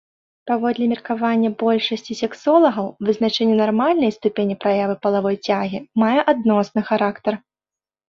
Паводле меркавання большасці сексолагаў, вызначэнне нармальнай ступені праявы палавой цягі мае адносны характар.